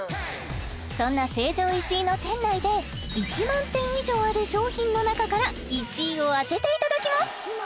そんな成城石井の店内で１万点以上ある商品の中から１位を当てていただきます